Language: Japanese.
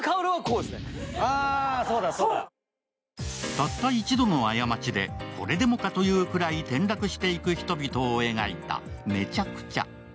たった一度の過ちで、これでもかというくらい転落していく人々を描いた「滅茶苦茶」。